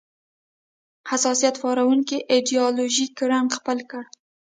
حساسیت پاروونکی ایدیالوژیک رنګ خپل کړ